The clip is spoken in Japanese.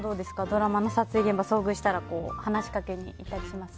ドラマの撮影現場、遭遇したら話しかけに行ったりします？